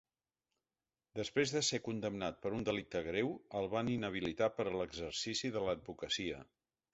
Després de ser condemnat per un delicte greu, el van inhabilitar per a l'exercici de l'advocacia.